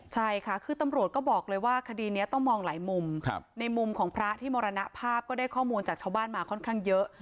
ใช่ค่ะคือตำรวจก็บอกเลยว่าคดีนี้ต้องมองหลายมุมในมุมของพระที่มรณภาพก็ได้ข้อมูลจากชาวบ้านมาค่อนข้างเยอะ